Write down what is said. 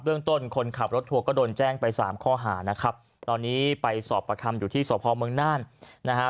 เรื่องต้นคนขับรถทัวร์ก็โดนแจ้งไปสามข้อหานะครับตอนนี้ไปสอบประคำอยู่ที่สพเมืองน่านนะฮะ